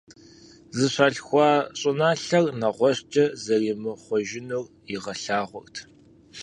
Зыщалъхуа щӀыналъэр нэгъуэщӀкӀэ зэримыхъуэжынур игъэлъагъуэрт.